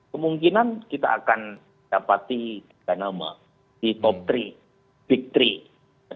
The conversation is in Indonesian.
kemungkinan kita akan dapati tiga nama di top tiga big tiga